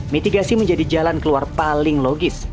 mitigasi menjadi jalan keluar paling logis